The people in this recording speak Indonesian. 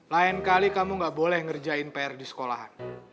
lain kali kamu gak boleh ngerjain pr di sekolahan